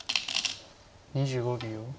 ２５秒。